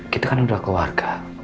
kita kan udah keluarga